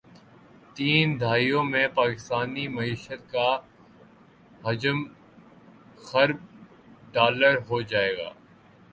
تین دہائیوں میں پاکستانی معیشت کا حجم کھرب ڈالرہوجائےگا